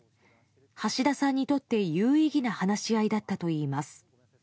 橋田さんにとって有意義な話し合いだったといいます。